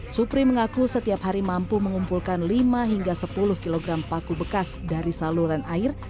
supri mengaku setiap hari mampu mengumpulkan lima hingga sepuluh kg paku bekas dari saluran air